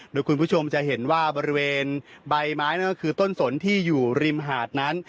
โดยคุณผู้ชมจะเห็นว่าบริเวณใบไม้นั่นก็คือต้นสนที่อยู่ริมหาดนั้น